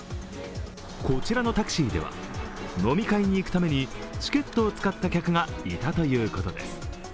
こちらのタクシーでは飲み会に行くためにチケットを使った客がいたということです。